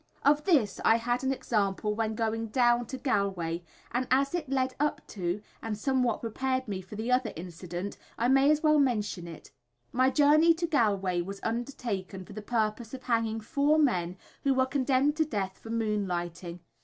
Of this I had an example when going down to Galway, and as it led up to, and somewhat prepared me for the other incident, I may as well mention it. My journey to Galway was undertaken for the purpose of hanging four men who were condemned to death for moonlighting.